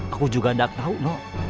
aku juga gak tahu no